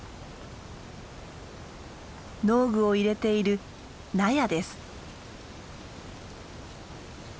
農具を入れている納屋です。